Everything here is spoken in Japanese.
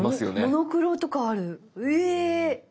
モノクロとかあるうぇ！